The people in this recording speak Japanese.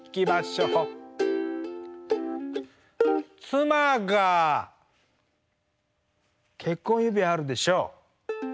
妻が結婚指輪あるでしょ？